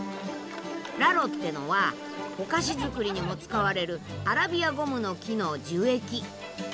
ラロってのはお菓子作りにも使われるアラビアゴムノキの樹液。